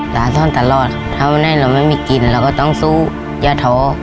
ตาท่อนตลอดครับถ้าวันให้เราไม่มีกินเราก็ต้องสู้ยาท้อ